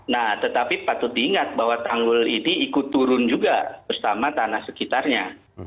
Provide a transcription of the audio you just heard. nah tetapi patut diingat bahwa tanggul ini ikut turun juga bersama tanah sekitarnya